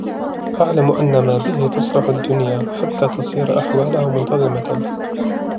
اعْلَمْ أَنَّ مَا بِهِ تَصْلُحُ الدُّنْيَا حَتَّى تَصِيرَ أَحْوَالُهَا مُنْتَظِمَةً